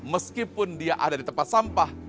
meskipun dia ada di tempat sampah